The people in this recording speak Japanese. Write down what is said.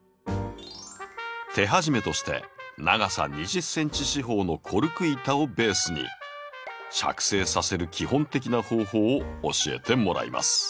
手始めとして長さ２０ｃｍ四方のコルク板をベースに着生させる基本的な方法を教えてもらいます。